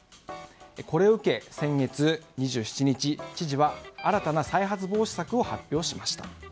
これを受け、先月２７日知事は新たな再発防止策を発表しました。